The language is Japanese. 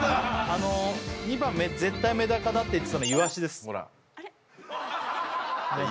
あの２番絶対メダカだって言ってたのイワシですあれ？